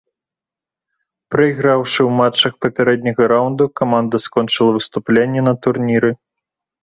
Прайграўшы ў матчах папярэдняга раўнду каманда скончыла выступленне на турніры.